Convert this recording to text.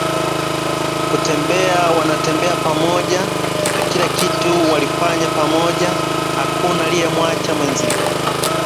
kutembea wanatembea pamoja na kila kitu walifanya pamoja hakuna aliyemwacha mwenziwe